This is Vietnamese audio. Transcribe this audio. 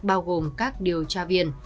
bao gồm các điều tra viên